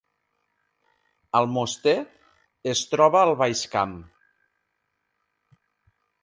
Almoster es troba al Baix Camp